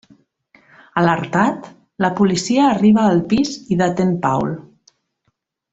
Alertat, la policia arriba al pis i detén Paul.